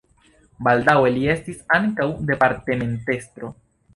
Baldaŭe li estis ankaŭ departementestro.